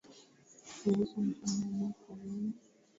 iliyoanzishwa mwishoni mwa mwaka jana dhidi ya